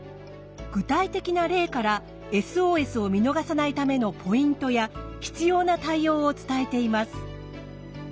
具体的な例からＳＯＳを見逃さないためのポイントや必要な対応を伝えています。